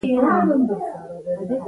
هر چا به ورپورې مسخرې کولې.